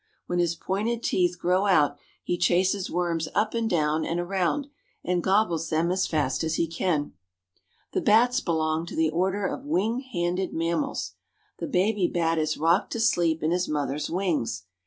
When his pointed teeth grow out he chases worms up and down and around, and gobbles them as fast as he can. The bats belong to the Order of Wing Handed Mammals. The baby bat is rocked to sleep in his mother's wings.